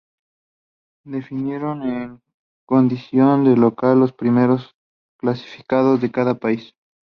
Definieron en condición de local los primeros clasificados de cada país.